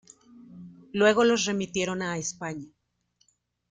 Luego los remitieron a España.